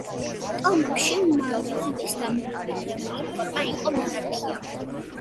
ტომებში მმარველობის დამკვიდრებული ფორმა იყო მონარქია.